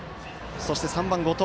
そして３番、後藤。